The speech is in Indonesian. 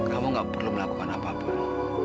kamu gak perlu melakukan apapun